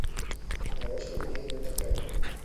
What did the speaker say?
Навошта мне яны патрэбны?